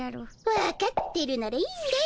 わかってるならいいんだよ。